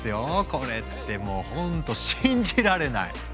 これってもうほんと信じられない！